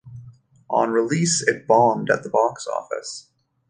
On release, it bombed at the box office.